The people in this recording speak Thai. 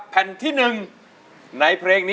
อินโทรเพลงที่๓มูลค่า๔๐๐๐๐บาทมาเลยครับ